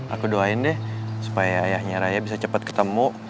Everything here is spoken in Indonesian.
aku doain deh supaya ayahnya raya bisa cepat ketemu